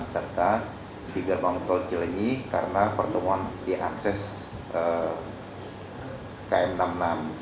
serta di gerbang tol cilini karena pertemuan di akses km enam puluh enam